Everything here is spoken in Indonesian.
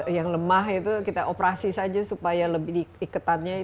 yang lemah itu kita operasi saja supaya lebih ikatannya